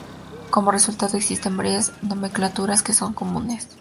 Como resultado, existen varias nomenclaturas que son comunes.